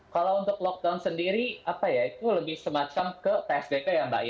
kalau untuk lockdown sendiri apa ya itu lebih semacam ke psdk ya mbak ya